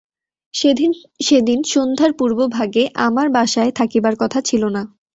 সেদিন সন্ধ্যার পূর্বভাগে আমার বাসায় থাকিবার কথা ছিল না।